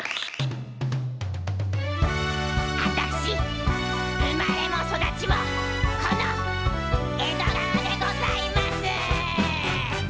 あたし生まれも育ちもこの江戸川でございます。